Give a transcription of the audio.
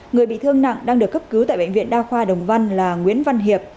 người bị thương nặng đang được cấp cứu tại bệnh viện đa khoa đồng văn là nguyễn văn hiệp